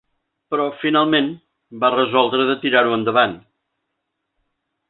Però finalment va resoldre de tirar-ho endavant.